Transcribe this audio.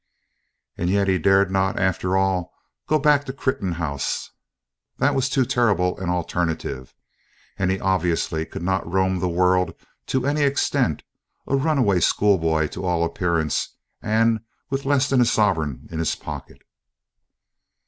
And yet he dared not, after all, go back to Crichton House that was too terrible an alternative, and he obviously could not roam the world to any extent, a runaway schoolboy to all appearance, and with less than a sovereign in his pocket!